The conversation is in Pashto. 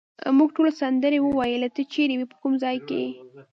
موږ ټولو سندرې وویلې، ته چیرې وې، په کوم ځای کې؟